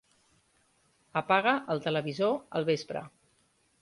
Apaga el televisor al vespre.